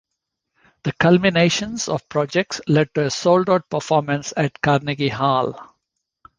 The culminations of projects led to a sold out performance at Carnegie Hall.